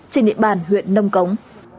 trên địa bàn huyện nông cống